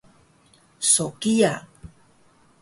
So kiya